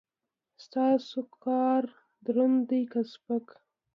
ستاسو کار دروند دی که سپک؟